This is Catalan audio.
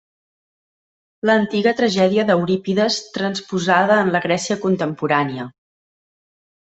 L'antiga tragèdia d'Eurípides transposada en la Grècia contemporània.